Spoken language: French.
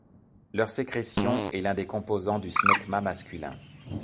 Leur sécrétion est l'un des composants du smegma masculin.